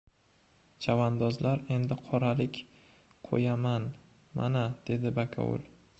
Chavandozlar, endi qoralik qo‘yaman! Mana! — dedi bakovul.